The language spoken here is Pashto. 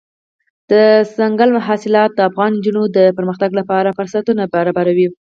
دځنګل حاصلات د افغان نجونو د پرمختګ لپاره فرصتونه برابروي.